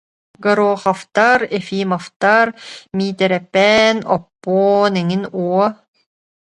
Гороховтар, Ефимовтар, Миитирэпээн, Оппуон эҥин уо